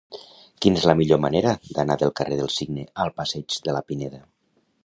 Quina és la millor manera d'anar del carrer del Cigne al passeig de la Pineda?